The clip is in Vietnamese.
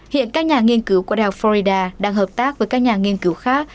hiện các nhà nghiên cứu của đại học florida đang hợp tác với các nhà nghiên cứu khác